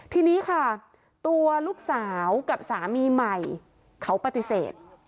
ทีนี้ค่ะตัวลูกสาวกับสามีใหม่เขาปฏิเสธ